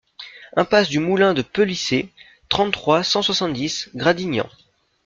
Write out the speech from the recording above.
Impasse du Moulin de Pelissey, trente-trois, cent soixante-dix Gradignan